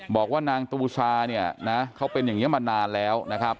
บอกว่านางตูซาเนี่ยนะเขาเป็นอย่างนี้มานานแล้วนะครับ